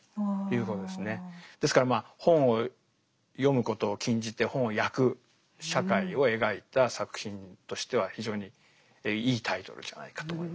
ですからまあ本を読むことを禁じて本を焼く社会を描いた作品としては非常にいいタイトルじゃないかと思います。